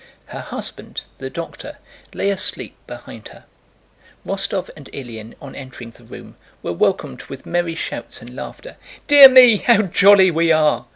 Her husband, the doctor, lay asleep behind her. Rostóv and Ilyín, on entering the room, were welcomed with merry shouts and laughter. "Dear me, how jolly we are!"